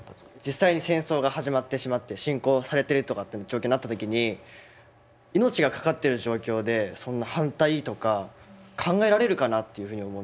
実際に戦争が始まってしまって侵攻されてるとかって状況になった時に命が懸かってる状況でそんな反対とか考えられるかなというふうに思うんですよね。